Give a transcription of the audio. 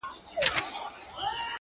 خیر لږ دي وي حلال دي وي پلارجانه,